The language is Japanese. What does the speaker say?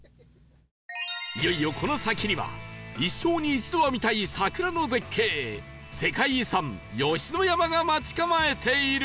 いよいよこの先には一生に一度は見たい桜の絶景世界遺産吉野山が待ち構えている